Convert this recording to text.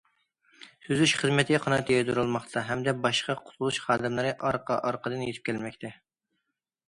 سۈزۈش خىزمىتى قانات يايدۇرۇلماقتا، ھەمدە باشقا قۇتقۇزۇش خادىملىرى ئارقا- ئارقىدىن يېتىپ كەلمەكتە.